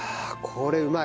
これうまい。